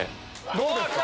どうですか？